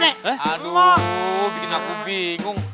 aduh bikin aku bingung